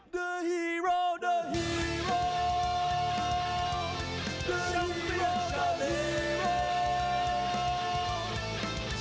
จังหวาดึงซ้ายตายังดีอยู่ครับเพชรมงคล